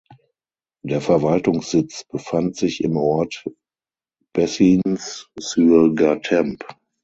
Der Verwaltungssitz befand sich im Ort Bessines-sur-Gartempe.